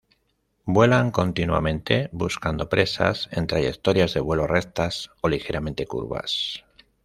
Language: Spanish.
Vuelan continuamente buscando presas en trayectorias de vuelo rectas o ligeramente curvas.